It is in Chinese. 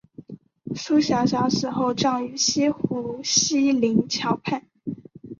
苏小小死后葬于西湖西泠桥畔。